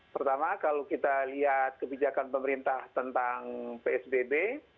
pertama kalau kita lihat kebijakan pemerintah tentang psbb